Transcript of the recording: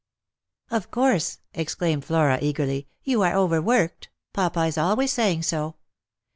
" Of course," exclaimed Flora eagerly, " you are over worked ; papa is always saying so.